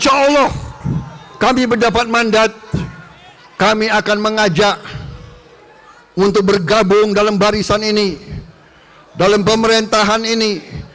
insya allah kami mendapat mandat kami akan mengajak untuk bergabung dalam barisan ini dalam pemerintahan ini